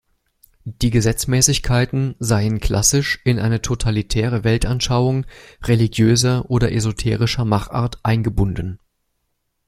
Die Gesetzmäßigkeiten seien klassisch in eine totalitäre Weltanschauung religiöser oder esoterischer Machart eingebunden.